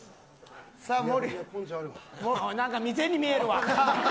なんか店に見えるわ。